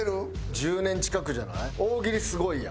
１０年近くじゃない？